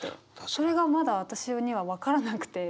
それがまだ私には分からなくて。